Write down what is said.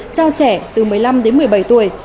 cho trẻ từ một mươi năm đến một mươi bảy tuổi